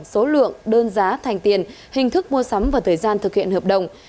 số lượng đơn giá thành tiền hình thức mua sắm và thời gian thực hiện hợp đồng